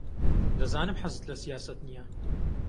دەزانم حەزت لە سیاسەت نییە.